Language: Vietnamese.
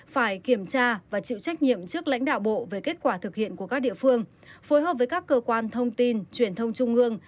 phải kiểm tra và chịu trách nhiệm trước lãnh đạo bộ về kết quả thực hiện của các địa phương phối hợp với các cơ quan thông tin truyền thông trung ương